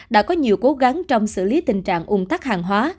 đã có nhiều cố gắng trong xử lý tình trạng ung tắc hàng hóa